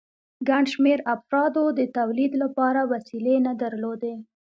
ګڼ شمېر افرادو د تولید لپاره وسیلې نه درلودې